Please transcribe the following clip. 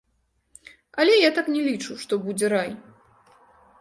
Але я так не лічу, што будзе рай.